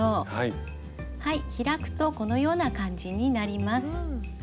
開くとこのような感じになります。